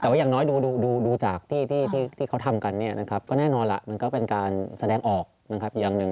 แต่ว่าอย่างน้อยดูจากที่เขาทำกันก็แน่นอนล่ะมันก็เป็นการแสดงออกอย่างหนึ่ง